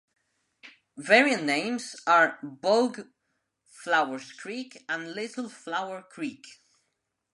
Variant names are "Bogue Flowers Creek" and "Little Flower Creek".